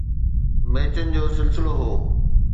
ميچن جو سلسلو هو